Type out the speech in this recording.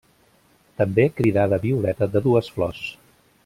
També cridada violeta de dues flors.